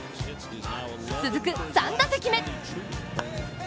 続く３打席目。